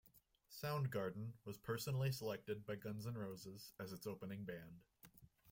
Soundgarden was personally selected by Guns N' Roses as its opening band.